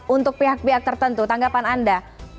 untuk pihak pihak tertentu tanggapan anda